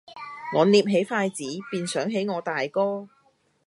我捏起筷子，便想起我大哥；